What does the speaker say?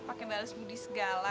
pakai balas budi segala